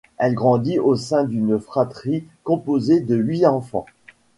Elle grandit au sein d'une fratrie composée de huit enfants.